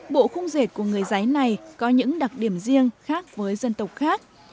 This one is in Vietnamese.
bộ khung rệt của người giấy này có những đặc điểm riêng khác với dân tộc khác